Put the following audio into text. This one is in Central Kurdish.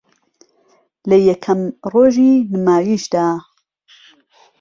لە یەکەم رۆژی نمایشیدا